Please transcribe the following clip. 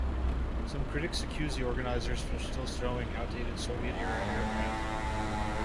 Some critics accused the organizers for still showing outdated Soviet-era aircraft.